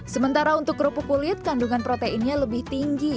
sementara untuk kerupuk kulit kandungan proteinnya lebih tinggi